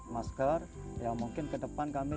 masker yang mungkin ke depan kami